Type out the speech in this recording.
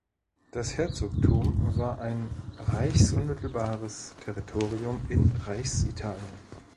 Das Herzogtum war ein reichsunmittelbares Territorium in Reichsitalien.